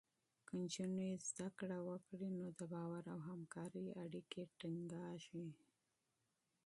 که نجونې زده کړه وکړي، نو د باور او همکارۍ اړیکې ټینګېږي.